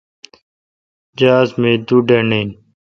جہاز می دو ڈنڈ پہ این